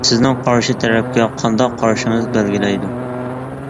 سىزنىڭ قارشى تەرەپكە قانداق قارىشىڭىز بەلگىلەيدۇ.